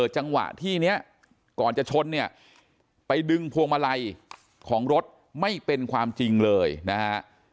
จังหวะที่นี้ก่อนจะชนเนี่ยไปดึงพวงมาลัยของรถไม่เป็นความจริงเลยนะฮะ